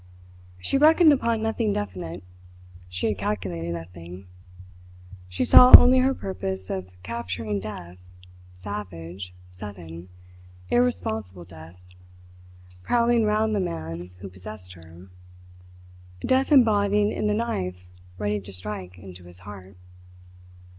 She reckoned upon nothing definite; she had calculated nothing. She saw only her purpose of capturing death savage, sudden, irresponsible death, prowling round the man who possessed her, death embodied in the knife ready to strike into his heart.